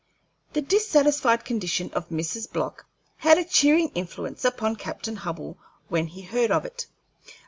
The dissatisfied condition of Mrs. Block had a cheering influence upon Captain Hubbell when he heard of it.